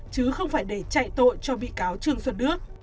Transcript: chứ không phải để chạy tội cho bị cáo trương xuân đức